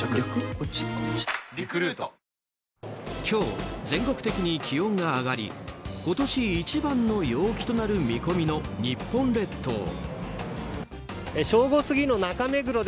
今日、全国的に気温が上がり今年一番の陽気となる見込みの日本列島。